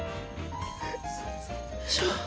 よいしょ。